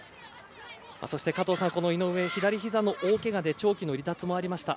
加藤さん、井上は左ひざの大けがで長期の離脱もありました。